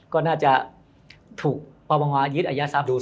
ก็น่าจะถูกปปงยึดอายัดทรัพย์ดู